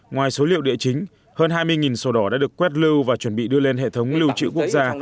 ngoài số liệu địa chính hơn hai mươi sổ đỏ đã được quét lưu và chuẩn bị đưa lên hệ thống lưu trữ quốc gia